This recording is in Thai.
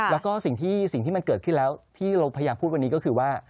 แล้วก็สิ่งที่มันเกิดขึ้นแล้วที่เราพยายามพูดวันนี้ก็คือว่า